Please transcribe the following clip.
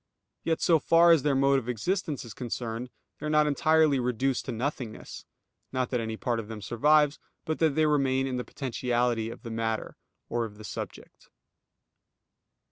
Yet so far as their mode of existence is concerned, they are not entirely reduced to nothingness; not that any part of them survives, but that they remain in the potentiality of the matter, or of the subject.